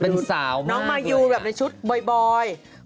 เป็นสาวน้องมายูแบบในชุดบ่อย